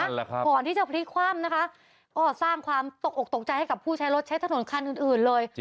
นั่นแหละครับก่อนที่จะพลิกความนะคะก็สร้างความตกตกใจให้กับผู้ใช้รถใช้ถนนคันอื่นเลย